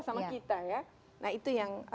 sama kita ya nah itu yang